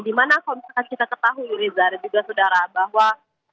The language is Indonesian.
di mana kalau misalkan kita ketahui reza dan juga saudara bahwa